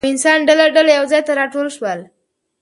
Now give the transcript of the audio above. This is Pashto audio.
او انسانان ډله ډله يو ځاى ته راټول شول